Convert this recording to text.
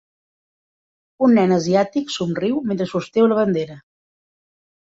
Un nen asiàtic somriu mentre sosté una bandera.